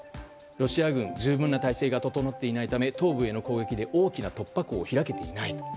ロシア軍、十分な態勢が整っていないため東部への攻撃で大きな突破口を開けていない。